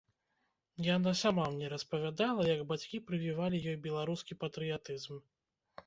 Яна сама мне распавядала, як бацькі прывівалі ёй беларускі патрыятызм.